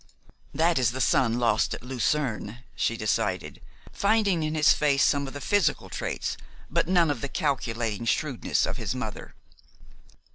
"That is the son lost at Lucerne," she decided, finding in his face some of the physical traits but none of the calculating shrewdness of his mother.